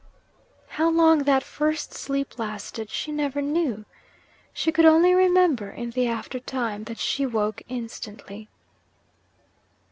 How long that first sleep lasted, she never knew. She could only remember, in the after time, that she woke instantly.